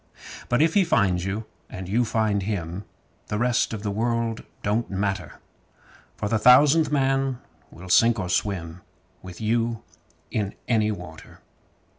But if he finds you and you find him, The rest of the world don't matter; For the Thousandth Man will sink or swim With you in any water.